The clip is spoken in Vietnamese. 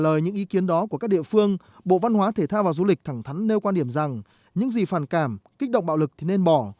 trả lời những ý kiến đó của các địa phương bộ văn hóa thể thao và du lịch thẳng thắn nêu quan điểm rằng những gì phản cảm kích động bạo lực thì nên bỏ